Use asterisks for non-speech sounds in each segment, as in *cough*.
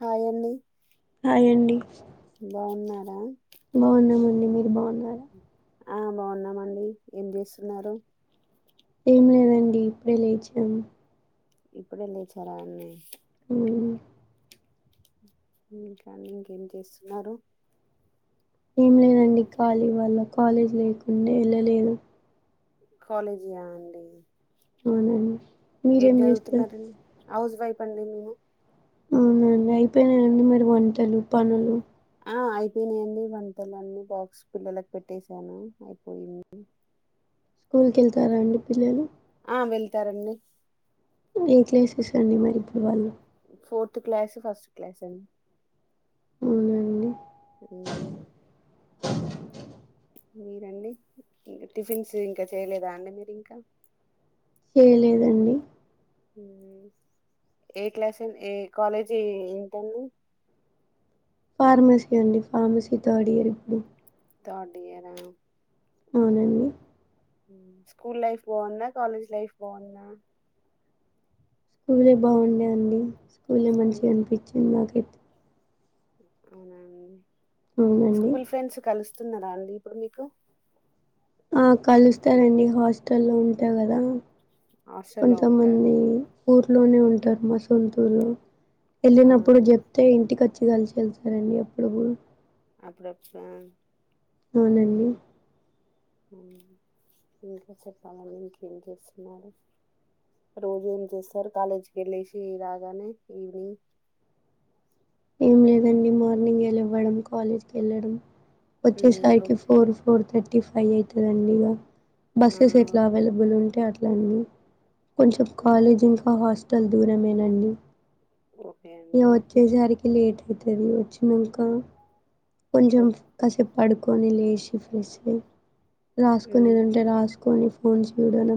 High అండి. Hi బాగున్నా న బాగున్నా అండి మీరు బాగ్ అ ఆ బాగున్నామండి ఏం చేస్తున్నారు? ఏం లేదండి ఇప్పుడే లేచాం ఇప్పుడే లేచరా అండి ఉమ్ ఇంకానీ ఇంకేం చేస్తున్నారు ఏం లేదండి ఖాళీ వాల్ల కాలేజీ లేకుండే ఏ ళ్ళలేదు కాలేజీయా అండి అవున ఏం చదువుతున్నారండి హౌస్ వైఫ్ పండి మీము అవునండి అయిపోయినాయా అండి మరి వంటలు పనులు అయిపోయినాయండి వంటలు అన్నీ బాక్స్ పిల్లలలకు పెట్టసాను అయిపోయింది స్కూల్కి వెళ్తారా అండి పిల్లలు ఆ వెళ్తారండి నేక్లేసెస్ అండి మరి ఇప్పుడు వాళ్ళు ఫోర్త్ క్లాస్ ఫస్ట్ క్లాస్ అండి అవునా అండి మ్ మీరండి టిఫిన్స్ ఇంకా చేయలేదా అండి మీరు ఇంకా చేయలేదండి ఏ క్లాస్ ఏ కాలేజీ ఏంటండి ఫార్మసీ అండి ఫార్మసీ థర్డ్ ఇయర్ ఇప్పుడు థర్డ్ ఇయరా అవునండి స్కూల్ లైఫ్ బాగున్నా కాలేజ్ లైఫ్ బాగున్నా స్కూలే బాగుండే అండి స్కూలే స్కూల్ మంచిగా అనిపించింది నాకు ట్ అవునా అవునండి స్కూల్ ఫ్రెండ్స్ కలుస్త ఇస్తున్నాడా అండి ఇప్పుడు మీకు ఆ కలుస్తారండి హాస్టల్లో ఉంటా కదా హాస్టల్లో ఉంటారు కొంతమంది ఊర్లోనే ఉంటారు మా సొంతూర్లో ఆ వెళ్ళినప్పుడు చెప్తే ఇంటికి వచ్చి కలిసి వెళ్తారండి అప్పుడప్పుడు ఆప్పుడెప్పుడు అవునండి వు ఇంకా చెప్పాలండి ఇంకేం చేస్తున్నారు రోజు ఏం చేస్తారు కాలేజీకి వెళ్ళేసి రాగానే ఈవినింగ్ ఏం లేదండి మార్నింగ్ ఏ లెవ్వడం కాలేజ్కి యెళ్ళడం వచ్చే ఉమ్ సారికి ఓ- ఫోర్ ఫోర్ థర్టీ టిఫై అయితా ఉందిగా ఆ బస్సెస్ ఎట్లా అవైలబుల్ ఉంది కొంచెం కాలేజ్ ఇంకా ఆదిదూరమేనండి ఓకే అండి ట్ అవుతుంది వచ్చినక కొంచెం ఓ- కాసేప్. పడుకొని లేచి ఫ్రెష్ అయ్యి. ఉమ్ రాసుకునేది ఉంటే రాసుకొని ఫోన్ చూడాలే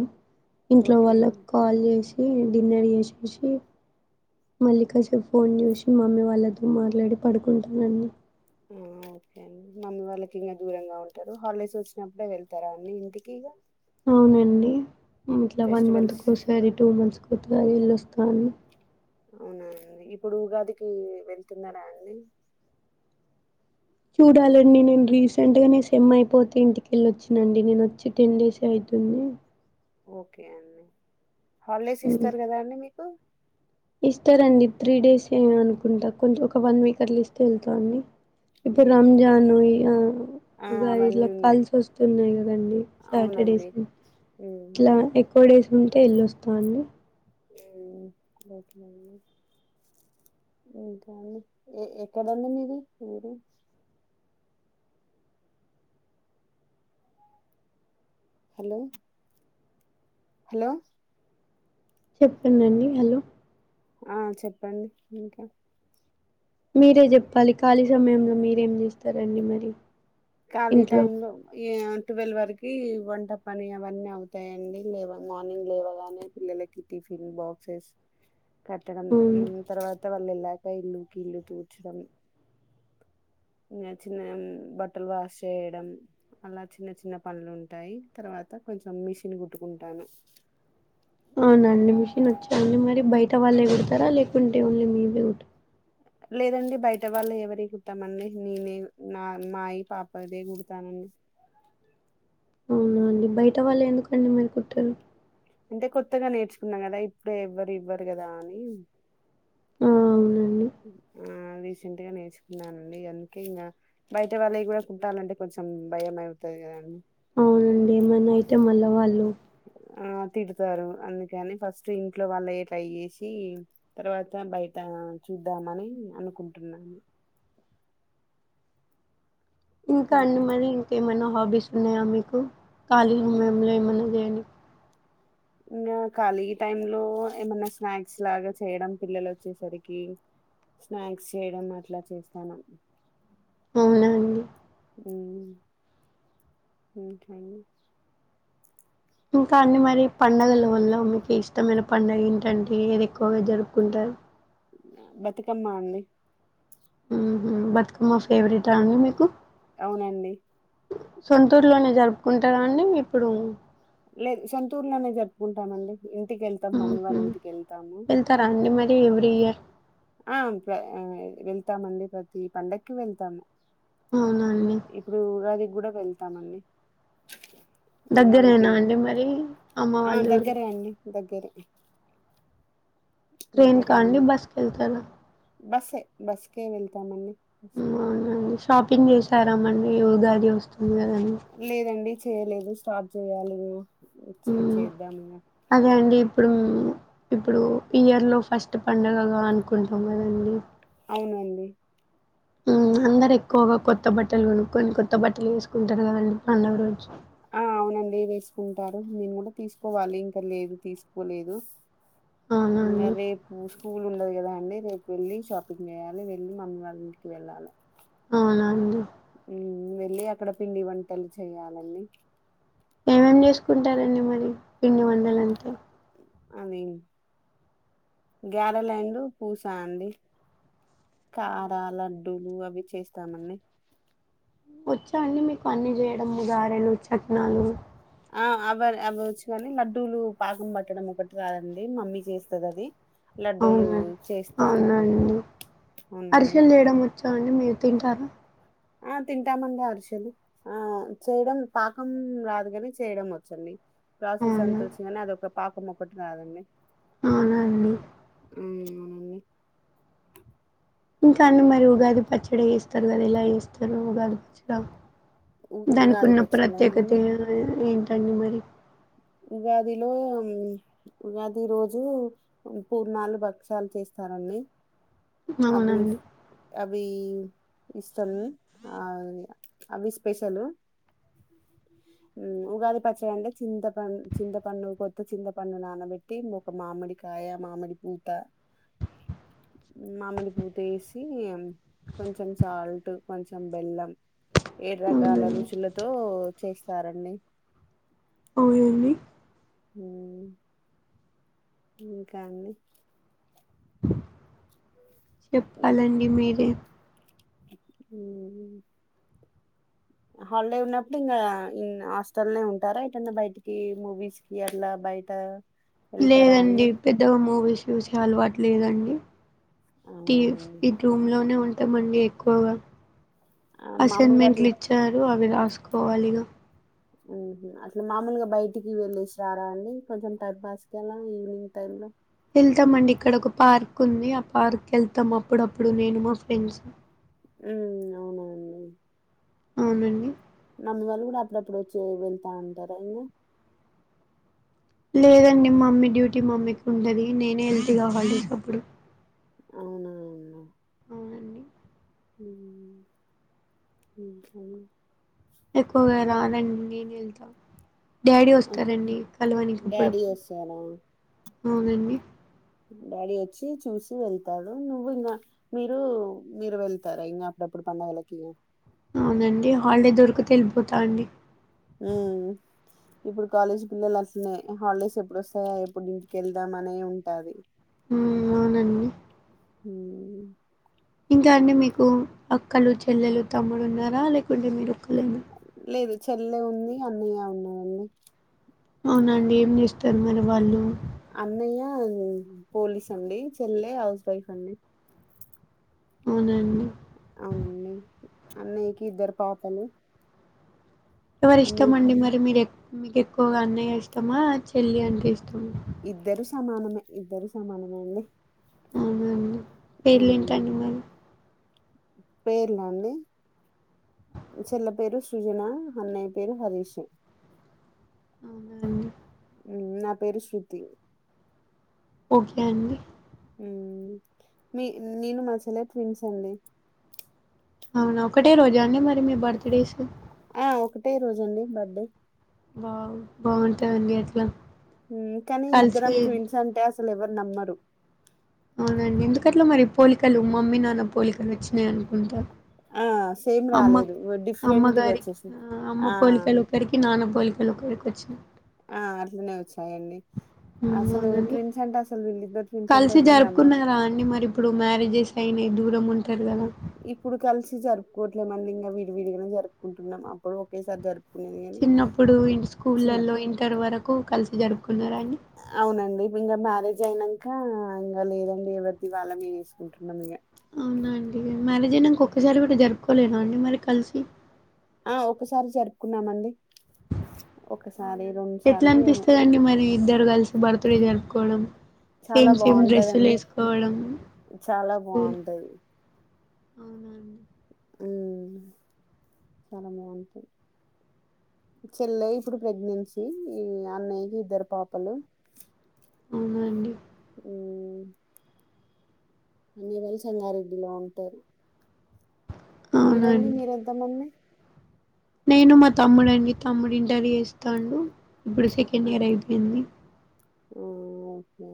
ఇంట్లో ఓకే అండి వాళ్ళకి కాల్ చేసి డిన్నర్ చేసేసి మల్లికాజ ఫోన్ చూసి మమ్మీ వాళ్లతో మాట్లాడి పడుకుంటానని ఆ ఓకే అండి మమ్మీ వాళ్ళకి ఇంకా దూరంగా ఉంటారు హాలిడేస్ వచ్చినప్పుడే వెళ్తారా అన్నీ ఇంటికి అవునండి ఇట్లా వన్ మంత్కి ఫెస్టివల్స్ ఒకసారి టూ మంత్స్ కు గజలుస్స్తాన్ అవునానండి ఇప్పుడు ఉగాదికి వెళ్తున్నారా అండి చూడాలండి నేను రీసెంట్ గా న సెమ్ అయిపోతే ఇంటికెళ్ళి వచ్చినండి నేను వచ్చి టెన్ డేస్ అవుతుంది ఓకే అండి హాలిడేస్ ఇస్తారు కదా అండి మీకు ఇస్తారంండి త్రీ డేస్ ఏ అనుకుంటా కొంచెం ఒక వన్ వీక్ అట్లా ఇస్తే వెళ్తా అండి ఇప్పుడు మ్మ్ రంజాన్ ఇ ఆ అవన్నీ ఇలా ఉన్నాయి కల్స్ వస్తున్నాయి్ కదండి సాటర్డేస్ అవునండి మ్మ్ ఇట్లా ఎక్కువ డేస్ ఉంటేవెల్ళొస్తూండి డి ఇంకాండి ఎక్కడంండి మీరు ఊరు హలో హలో చెప్పనండి హలో ఆ చెప్పండి ఇంకా మీరే చెప్పాలి ఖాళీ సమయంలో మీరేం చేస్తారండి మరి ఖాళీ ఇంట్లో టైమ్లో ఏ ట్వెల్వ్ వరకు వంట పని అవన్నీ అవుతాయండి లేవ మార్నింగ్ లేవగానే పిల్లలకి టిఫిన్ బాక్సెస్ కట్టడం మ్మ్ తర్వాత వాళ్లు ఎళ్ళక ఇల్లుకి ఇల్లు తూర్చడమే ఇంకా చిన్న బట్ట బట్టలు వాష్ చేయడం అలా చిన్న చిన్న పనులు ఉంటాయి తర్వాత కొంచెం మిషన్ కుట్టుకుంటాను అవునునండి మిషన్ వచ్చి మరి బయట తవలే వస్తారా లేకుంటే ఓన్లీ మేము మ్యూట్ లేదండి బయట వాళ్ళు ఎవరి కుట్టామండి నేనే నా మాయి పాప దే కుడతానండి అవునండి బయట వాళ్ళే ఎందుకు అన్ని మరికుట్టారు అంటే కొత్తగా నేర్చుకున్నాం కదా ఇప్పుడే ఎవ్వరు ఇవ్వరు కదా అని వునండి ఆ *inaudible* ఆ రీసెంట్గా నేర్చుకున్నానండి అందుకే ఇంకా బయట వాళ్ళవి కూడా కుట్టలంటే కొంచెం భయం అయితాది కదండి అవునండి ఏమన్నా అయితే మళ్ళ వాళ్ళు ఆ తిడతారు అందుకని ఫస్ట్ ఇంట్లో వాళ్ళవి ట్రై చేసి తర్వాత బయట చూద్దామని అనుకుంటున్నాను ఇంకా అండి మరి ఇంకేం మైనా హాబీస్ ఉన్నాయా మీకు కాళి మంలో మన *inaudible* ఏమి ఇంకా ఖాళీ టైం లో ఏమన్నా స్నాక్స్ లాగా చేయడం పిల్లలు వచ్చేసరికి స్నాక్స్ చేయడం అట్లా చేస్తాను అవున అండి అవును ఓకే అండి ఇంకా అన్ని మరి పడుంగల వల్ల మీకు ఇష్టమైన పడుగ ఏంటంటే ఏది ఎక్కువగా జరుపుకుంటారు బతుకమ్మ అండి ఉహు బతుకమ్మ ఫేవరెట్ ఆ అండి మీకు అవునండి సొంతురు లోనే జరుపుకుంటార అండి మీ పిల్లలు లేదు సొంతూర్లోనే జరుపుకుంటామండి ఇంటికి వెళ్తాము మమ్మీ వాళ్ళ ఉహు ఇంటికి వెళ్తాము వెళ్తారా అండి మరి ఎవ్రీ ఇయర్ ఆ అంతే వెళ్తామండి ప్రతి పండగకి వెళ్తాము అవున అండి ఇప్పుడు ఉగాదికి కూడా వెళ్తామండి దగ్గరే ఉగాదికి నా నా అం *inaudible* టే మరి అమ్మ వాళ్ళూరు సరే ట్రైన్ కా అండి బస్సుకెళ్తారా బస్సే-బస్కే కే వెళ్తామండి బస్స్ కే అవునండి షాపింగ్ చేసారామండి ఉగాది వస్తుం లేదండి చేయలేదు స్టార్ట్ చేయ్యాలి ఈరోజు వచ్చేయ్ చేద్దాం ఇంగా ఇప్పుడు-ఇప్పుడు ఇయర్ లో ఫస్ట్ పండగ అనుకుంటున్నా అండి అవునండి ఉ అందరు ఎక్కువగా కొత్త బట్టలు కొనుక్కొని కొత్త బట్టలు వేసుకుంటారు కదండి పండగ రోజు ఆ అవునండి వేసుకుంటారు మెము కూడా తీసుకోవాలి ఇంకా లేదు తీసుకోలేదు అవునా ఇంగా అండి? రేపు స్కూల్ ఉండదు కదా అండి రేపెల్లి షాపింగ్ చేయాలి వెళ్ళి మమ్మీ వాళ్ళింటికి వెళ్ళాలె. ఔనా అండి. వెళ్ళి అక్కడ పిండి వంటలు చెయ్యాలండి. ఏమేమ్ చేసుకుంటారండి మరి పిండి వండలంటే అవి, గ్యారెలైన్లు, పూస అండి. కార లడ్డూలు అవి చేస్తామంని. వచ్చా అంని మీకు అన్ని జేయడంమ్మ్ గారెలు, చట్నాలు ఆ అవర్ అవి వచ్చు కాని లడ్డూలు పాకం పట్టడం ఒకటి రాదండి మమ్మీ చేస్తది అది లడ్డూలు అవునా, చేస్తాను నేను అవునండి అవునండి అరిసెలు జేయడం వచ్చా అండి మీ తింటార ఆ తింటామండి అరిశెలు ఆ చేయడం పాకం రాదు కాని చేయడం వచ్చండి ప్రాసెస్ అవునా? అంత ఒచ్చు కాని అదొక పా కమ్ మొక్కటి రాదండి. అవునా అండి. మ్ ఔనంని. ఇంకా అన్ని మరి ఉగాది పచ్చడి ఎస్తారు కదా, ఎలా ఎస్తరు ఉగాది చ్చర ఉ ఉగాది దానికున్న పచ్చడా ప్రత్యేకత అండి ఏమి ఏం రంని మరి ఉగాదిలో మ్మ్ ఉగాది రోజు పూర్ణాలు, భక్షాలు చేస్తారంని. అవునండి. వి ఇస్సన్ ఆ వి అవిస్స్ స్పెషలు, ఇ ఉగాది పచ్చడి అంటే చింత పంన్ చింతపంను, కొత్త చింతపంను నానబెట్టి ఇంగొక మామిడికాయ, మామిడిపూత, మామిడిపూతేసి కొంచెం సాల్ట్, కొంచెం బెల్లం ఏడు రకాల అవునండి. రుచులతో చేస్సారండి ఔనండి. మ్ ఇంకా అన్ని చెప్పాలండి మీరే ఉ హాలిడే ఉన్నప్పుడు ఇంగా ఇన్ హాస్టల్నే ఉంటారా ఎటన్న బైటికి మూవీస్ కి అట్లా బయట వెళ్తారా లేదండి అండి పెద్దగా మూవీస్ సూసే అలవాటు లేదంన్ ఉ టీ అవునా అండి ఇగ్ రూమ్ లోనే ఉ త్త మండి ఎక్కువుగా ఆ, మామూలుగా అసైన్మెంట్లు అట్లా ఇచ్చారు. అ అవి రాసుకోవాలిగా హుహు, అట్ల మామూలుగా బయటికి వెళ్ళేసి రారా అండి, కొంచెం టైబ్ పాస్కి అల ఈవినింగ్ టైమ్ లో ఎళ్తామ్ అండి ఇక్కడ ఒక పార్క్ ఉంది, ఆ పార్క్ ఎళ్తాం అప్పుడప్పుడు నేను మా ఫ్రెండ్స్ ఉ అవునా అండి. అవునండి నమీ వాళ్ళు కూడబ్ అప్పుడప్పుడు వచ్చి వెళ్తా ఉంటారా అంని. లేదండి మమ్మీ డ్యూటీ మమ్మీకి ఉంటది నేనే *unintelligible* కావాలికప్పుడు అవునా అవును అవునండి ఇం ఇంకాని ఎక్కువగా రానన్నీ నేను వెళ్తా డాడీ వస్తారండి కలవనికి ఇప్పుడు డాడీ వస్తారా అవునండి డాడీ వచ్చి చూసి వెళ్తాడు. నువ్వు ఇంకా మీరు మీరు వెళ్తారా ఇంకా అప్పుడప్పుడు పండగలకి. అవునండి హాలిడే దొరకితే వెళ్ళిపోతా అండి. ఉమ్ ఇప్పుడు కాలేజీ పిల్లలు అట్నే హాలిడేస్ ఎప్పుడు వస్తాయా, ఎప్పుడు ఇంటికి వెళ్దాం అనే ఉంటది. ఉమ్ అవునండి ఉ ఉ ఇంకా అండి మీకు అక్కలు చెల్లెలు తమ్ముడు ఉన్నారా లేకుంటే మీరు ఒక్కళైన లేదు చెల్లె ఉంది అన్నయ్య ఉన్నాడండి అవునండి ఏం చేస్తారు మరి వాళ్ళు అన్నయ్య పోలీస్ అండి చెల్లె హౌస్ వైఫ్ అండి అవునండి అవునండి అన్నయ్యకి ఇద్దరు పాపలు ఎవరి ఇష్టం అన్నయ్యకి అండి మరి మీరు ఎ మీకు ఎక్కువగా అన్నయ్య ఇస్టమా చెల్లి అంట ఇస్తం ఇద్దరు సమానమే ఇద్దరు సమానమే అండి. అవునండి పేర్లుంటండి మేము పేర్లు అండి చెల్ల పేరు సృజన అన్నయ్య పేరు హరీష్ అవున అండి ఉమ్ నా పేరు శృతి ఒకే అండ్ ఉమ్ మీ నేను మా చెల్లే ట్విన్స్ అండి. అవునా ఒకటే రోజా అండి మరి మీ బర్త్ డేస్ ఆ ఒకటే రోజండి బర్ వావ్ బాగుంటదండి అట్లా అమ్ కానీ కలిసి ఇద్దరం ట్విన్స్ అంటే అస్ అసలెవర్ నమ్మరు అవున అండి ఎందుకట్ల మరి పోలికలు మమ్మీ నాన్న పోలికలు వచ్చినాయి అనుకుంటా ఆ సేమ్ అమ్మక్ రాలేదు డిఫరెంట్ గా అమ్మగారికి వచ్చేసి ఆహ్ ఆ అమ్మ పోలికలొకరికి నాన్న పోలిక్ లోకరికి వచ్చినట్ ఆహ్ అట్నే వచ్చి యండి ఉమ్, అసలు అవునండి ట్విన్స్ అంటే అసలు వీళ్ళిద్దర్ కలిసి జరుపుకున్నారా అండి మరిప్పుడు మ్యారేజ్ జేసై టైం అయి దూరం ఉంటర్ కదా ఇప్పుడు కలిసి జరుపుకోట్లేమండి. ఇంకా విడి విడిగనే జరుపుకుంటున్నాం. అప్పుడు ఒకేసారి జరుప్ చిన్నప్పుడు ఇ స్కూళ్లలో ఇంటర్ వరకు కలిసి జరుపుకున్నారండి జైనంకా ఇంగ లేదండి ఎవరిది వాళ్ళమేసుకుంటున్నాం ఇగ అవునా అండి మ్యారేజ్ అయినాకా ఒకసారి కూడా జరుపుకోలేదా అండి మరి కలిసి ఆహ్ ఒక్కసారి జరుపుకున్నామండి అవున ఒకసారి అండి రెండు ఎట్లాం సార్లు ఏమో న్పిస్తదండి మరి ఇద్దరు కలిసి బర్ ర్తడే జరుపుకోవడం చాలా సేమ్ సేమ్ బాగుంటదండి డ్రస్సులేసుకోవడం చాలా స్కూల్ బాగుంటది అవునండి ఉమ్ అని చాలా బావుంటది చెల్లెఐకి ఇప్పుడు ప్రెగ్నెన్సీ ఈ అన్నయ్యకి ఇద్దరు పాపలు అవునా అండి ఉమ్ అన్నయ్ వాళ్ళు సంగారెడ్డిలో ఉంటారు అవునా మీరండి అండి మీరెంత మంది? నేను మా తమ్ముడండి తమ్ముడు ఇంటర్ జేస్తాండు ఇప్పుడు సెకండ్ ఇయర్ అయిపోయింది ఊహ్ ఒకే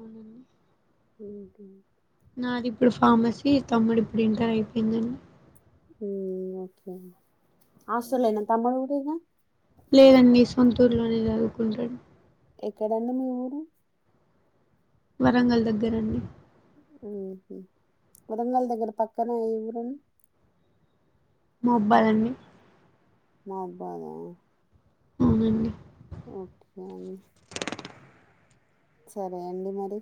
ఆహ ఇంక నాదిప్పుడు ఫార్మసీ తమ్ముడిప్పుడు ఇంటర్ అయిపోయిందం ఉమ్ ఒకె హస్టలేన తమ్ముడు గోడింక లేదండి సొంతూర్లోనే చదువుకుంటడు ఎక్కడండి మి ఊరు వరంగల్ దగ్గరండి ఊహు వరంగల్ దగ్గర పక్కన ఏ ఊరు మోబ్బాలన్నీ మా అబ్బాయ్ నా అవునండి ఓకే అండి సరే అండి మరి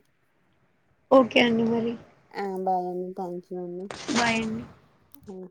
ఓకే అండి మరి ఆ బాయ్ అండి థ్యాంక్ యూ బాయ్ అండి క్యూ అండి